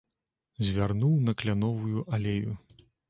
Звярнуў на кляновую алею.